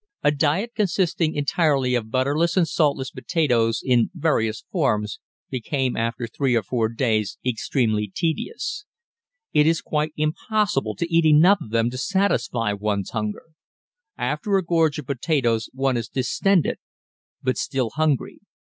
A diet consisting entirely of butterless and saltless potatoes in various forms became after three or four days extremely tedious. It is quite impossible to eat enough of them to satisfy one's hunger. After a gorge of potatoes one is distended but still hungry.